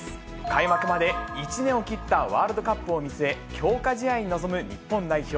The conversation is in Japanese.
開幕まで１年を切ったワールドカップを見据え、強化試合に臨む日本代表。